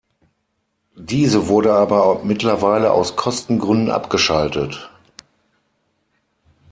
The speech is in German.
Diese wurde aber mittlerweile aus Kostengründen abgeschaltet.